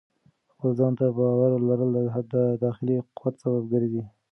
خپل ځان ته باور لرل د داخلي قوت سبب ګرځي.